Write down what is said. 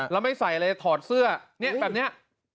แล้วไม่ใส่อะไรถอดเสื้อเนี่ยแบบนี้